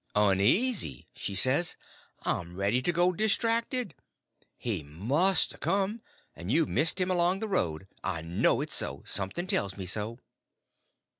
"Uneasy!" she says; "I'm ready to go distracted! He must a come; and you've missed him along the road. I know it's so—something tells me so."